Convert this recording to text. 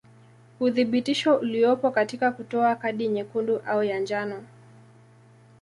Uthibitisho uliopo katika kutoa kadi nyekundu au ya njano.